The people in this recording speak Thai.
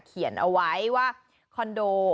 เขียนเอาไว้ว่าคอนโด